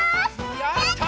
やった！